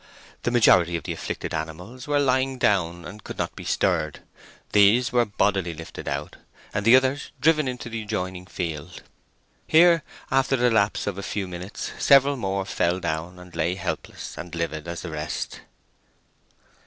The majority of the afflicted animals were lying down, and could not be stirred. These were bodily lifted out, and the others driven into the adjoining field. Here, after the lapse of a few minutes, several more fell down, and lay helpless and livid as the rest.